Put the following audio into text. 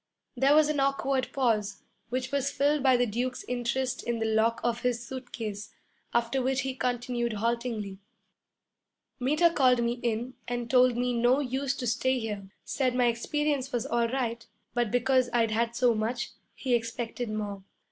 There was an awkward pause, which was filled by the Duke's interest in the lock of his suitcase, after which he continued haltingly, 'Meter called me in and told me no use to stay here said my experience was all right but because I'd had so much, he expected more.